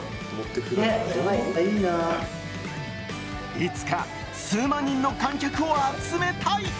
いつか数万人の観客を集めたい。